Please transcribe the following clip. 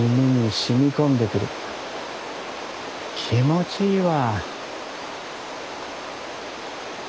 気持ちいいわ。